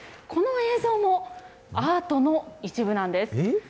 この映像もアートの一部なんです。